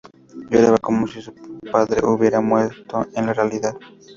Lloraba como si mi padre hubiera muerto en realidad".